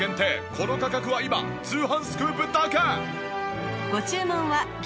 この価格は今『通販スクープ』だけ！